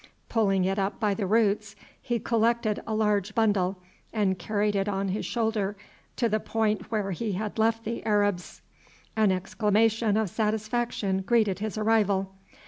Pulling it up by the roots he collected a large bundle and carried it on his shoulder to the point where he had left the Arabs. An exclamation of satisfaction greeted his arrival.